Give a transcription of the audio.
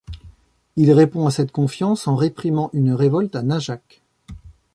Il répond à cette confiance en réprimant une révolte à Najac.